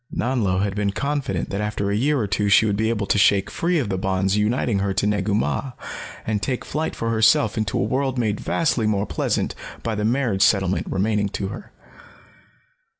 Nanlo had been confident that after a year or two she would be able to shake free of the bonds uniting her to Negu Mah and take flight for herself into a world made vastly more pleasant by the marriage settlement remaining to her.